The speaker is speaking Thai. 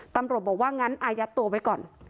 ตำรวจบอกว่างั้นอายัดตัวไว้ก่อน